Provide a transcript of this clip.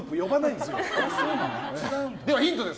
ではヒントです。